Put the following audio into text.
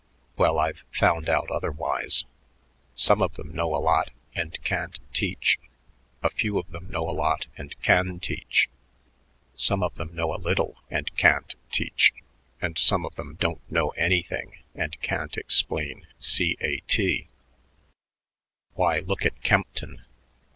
Well, I've found out otherwise. Some of them know a lot and can't teach, a few of them know a lot and can teach, some of them know a little and can't teach, and some of them don't know anything and can't explain c a t. Why, look at Kempton.